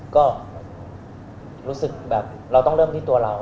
ก็รู้สึกแบบเราต้องเริ่มที่ตัวเรา